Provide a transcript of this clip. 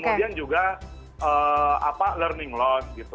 kemudian juga apa learning loss